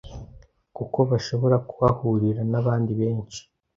kuko bashobora kuhahurira n'abandi benshi